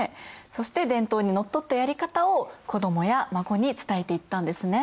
そして伝統にのっとったやり方を子どもや孫に伝えていったんですね。